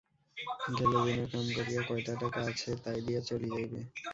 গেল দিনের কাম করিয়া কয়টা টাকা আছে তায় দিয়া চলি যাইবে।